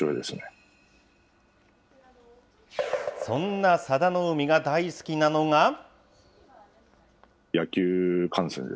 そんな佐田の海が大好きなのが。